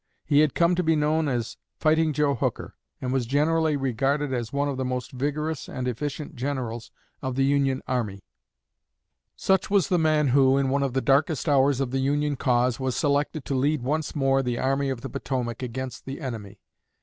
He had come to be known as "Fighting Joe Hooker," and was generally regarded as one of the most vigorous and efficient Generals of the Union army. Such was the man who, in one of the darkest hours of the Union cause, was selected to lead once more the Army of the Potomac against the enemy.